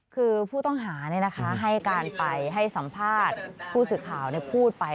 คือผู้ต้องหาให้การไปให้สัมภาษณ์ผู้สื่อข่าวพูดไป